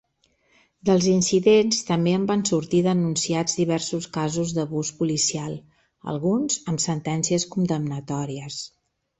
Dels incidents també en van sortir denunciats diversos casos d'abús policial, alguns amb sentències condemnatòries.